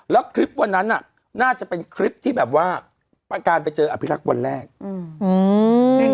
แล้วคลิปวันนั้นน่ะน่าจะเป็นคลิปที่แบบว่าประการไปเจออภิรักษ์วันแรกอืม